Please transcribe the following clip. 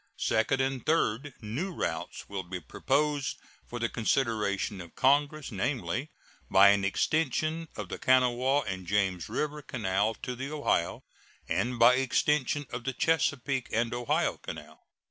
Second and third new routes will be proposed for the consideration of Congress, namely, by an extension of the Kanawha and James River Canal to the Ohio, and by extension of the Chesapeake and Ohio Canal.